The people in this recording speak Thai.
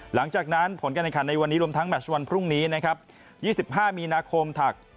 หลังจากนั้นผลการแข่งขันในวันนี้รวมทั้งแมชวันพรุ่งนี้นะครับ๒๕มีนาคมถัก